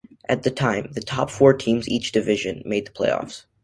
At the time, the top four teams in each division made the playoffs.